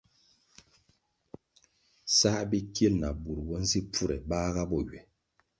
Sál bikil na bur bo nzi pfure bahga bo ywe.